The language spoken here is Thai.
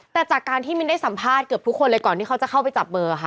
แต่จากการที่มินได้สัมภาษณ์เกือบทุกคนเลยก่อนที่เขาจะเข้าไปจับเบอร์ค่ะ